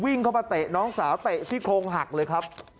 วิ่งเข้ามาเตะน้องสาวเตะซี่โครงหักเลยครับ